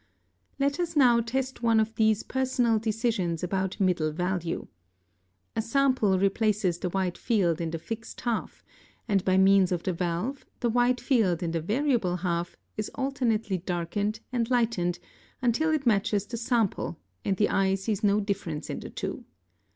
Let us now test one of these personal decisions about middle value. A sample replaces the white field in the fixed half, and by means of the valve, the white field in the variable half is alternately darkened and lightened, until it matches the sample and the eye sees no difference in the two.